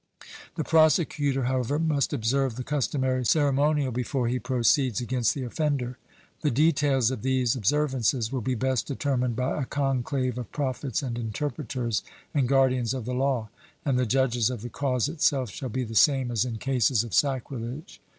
The prosecutor, however, must observe the customary ceremonial before he proceeds against the offender. The details of these observances will be best determined by a conclave of prophets and interpreters and guardians of the law, and the judges of the cause itself shall be the same as in cases of sacrilege.